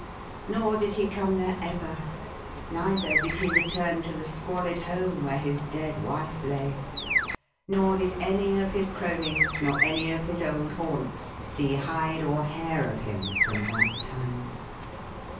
Nor did he come there ever. Neither did he return to the squalid home where his dead wife lay; nor did any of his cronies nor any of his old haunts see hide or hair of him from that time.